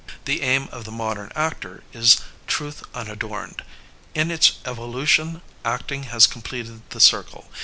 The aim of the modem actor is truth unadorned. In its evolution acting has completed the circle.